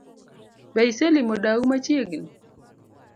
Be iselimo dau machiegni?